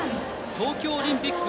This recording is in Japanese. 東京オリンピック